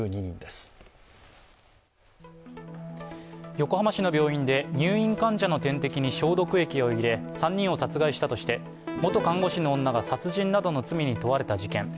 横浜市の病院で入院患者の点滴に消毒液を入れ３人を殺害したとして元看護師の女が殺人などの罪に問われた事件。